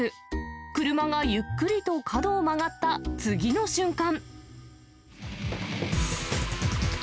車がゆっくりと角を曲がった次の瞬間。